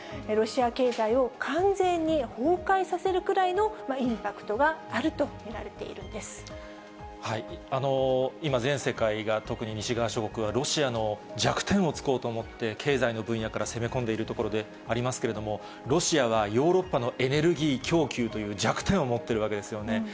ロシア経済を完全に崩壊させるくらいのインパクトがあると見られ今、全世界が、特に西側諸国がロシアの弱点を突こうと思って、経済の分野から攻め込んでいるところでありますけれども、ロシアはヨーロッパのエネルギー供給という弱点を持っているわけですよね。